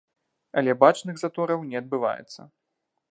Але бачных затораў не адбываецца.